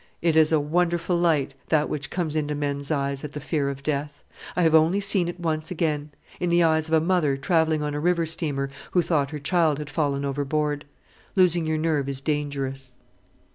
It is a wonderful light, that which comes into men's eyes at the fear of death. I have only seen it once again in the eyes of a mother travelling on a river steamer who thought her child had fallen overboard. Losing your nerve is dangerous."